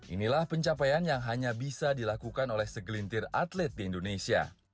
inilah pencapaian yang hanya bisa dilakukan oleh segelintir atlet di indonesia